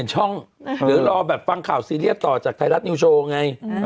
หรือรอแบบฟังข่าวซีเรียสต่อจากไทยรัฐนิวโชว์ไง